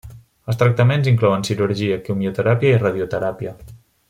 Els tractaments inclouen cirurgia, quimioteràpia i radioteràpia.